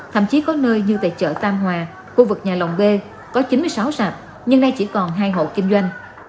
thậm chí có nơi như tại chợ tam hòa khu vực nhà lòng g có chín mươi sáu sạp nhưng nay chỉ còn hai hộ kinh doanh